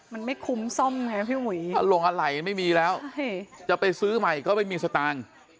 มันไม่คุ้มซ่อมไงพี่อุ๋ยอลงอะไรไม่มีแล้วจะไปซื้อใหม่ก็ไม่มีสตางค์